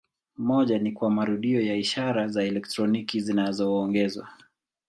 Moja ni kwa marudio ya ishara za elektroniki zinazoongezwa.